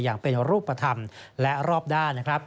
อย่างเป็นรูปธรรมและรอบด้านนะครับ